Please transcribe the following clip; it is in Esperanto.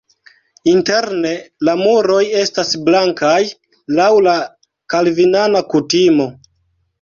Interne la muroj estas blankaj laŭ la kalvinana kutimo.